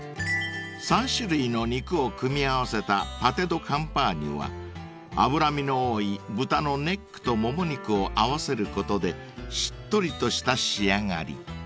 ［３種類の肉を組み合わせたパテドカンパーニュは脂身の多い豚のネックとモモ肉を合わせることでしっとりとした仕上がり］